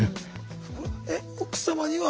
えっ奥様には？